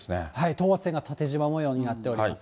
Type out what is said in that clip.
等圧線が縦じま模様になっています。